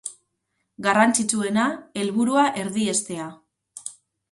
Garrantzitsuena, helburua erdiestea.